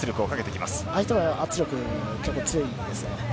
相手の圧力、結構強いですね。